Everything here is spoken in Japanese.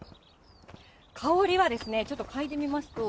香りはですね、ちょっとかいでみますと。